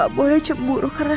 aku menyukainya ini